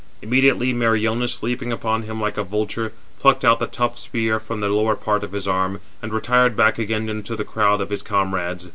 Immediately Meriones, leaping upon him like a vulture, plucked out the tough spear from the lower part of his arm, and retired back again into the crowd of his comrades.